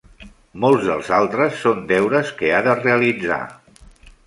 Molts dels altres són deures que ha de realitzar.